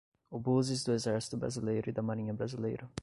Obuses do exército brasileiro e da marinha brasileira